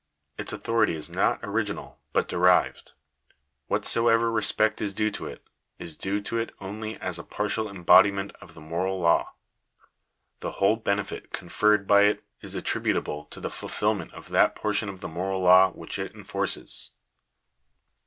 Its authority is not original, but derived. Whatsoever respect is due to it, is due to it only as a partial embodiment of the moral law. The whole benefit oonferred by it is attributable to the ful filment of that portion of the moral law which it enforces.